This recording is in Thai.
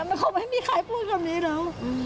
มันคงไม่มีใครพูดคำนี้แล้ว